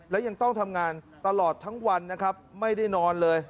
และยังต้องทำงานตลอดทั้งวันนะครับไม่ได้นอนเลย